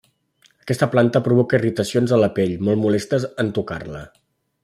Aquesta planta provoca irritacions a la pell molt molestes en tocar-la.